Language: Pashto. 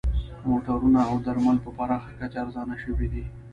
موټرونه او درمل په پراخه کچه ارزانه شوي دي